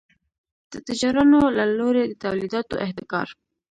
د تجارانو له لوري د تولیداتو احتکار.